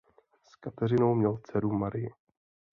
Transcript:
S Kateřinou měl dceru Marii.